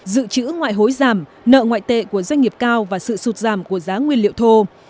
dự trữ ngoại hối giảm nợ ngoại tệ của doanh nghiệp cao và sự sụt giảm của giá nguyên liệu thô